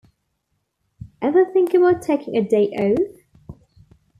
Ever think about taking a day off?